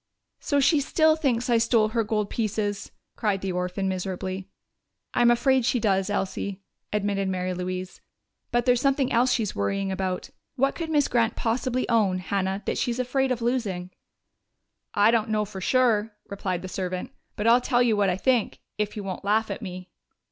"So she still thinks I stole her gold pieces!" cried the orphan miserably. "I'm afraid she does, Elsie," admitted Mary Louise. "But there's something else she's worrying about. What could Miss Grant possibly own, Hannah, that she's afraid of losing?" "I don't know for sure," replied the servant. "But I'll tell you what I think if you won't laugh at me."